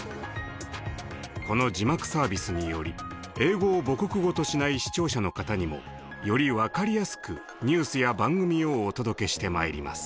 この字幕サービスにより英語を母国語としない視聴者の方にもより分かりやすくニュースや番組をお届けしてまいります。